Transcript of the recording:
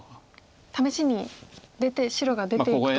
試しに白が出ていくと。